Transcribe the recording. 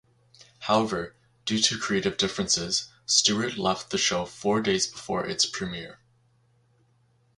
However, due to creative differences, Stewart left the show four days before its premiere.